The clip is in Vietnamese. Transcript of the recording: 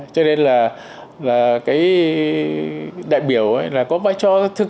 cho nên là cái đại biểu có vai trò thực sự và cái trách nhiệm rất lớn